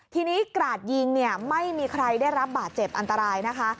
ทีนี้กราดยิงเนี่ยไม่มีใครได้รับบาดเจ็บอันตรายนะคะ